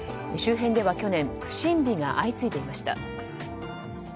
周辺では去年不審火が相次いでいました。